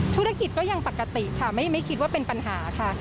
ธุรกิจก็ยังปกติค่ะไม่คิดว่าเป็นปัญหาค่ะ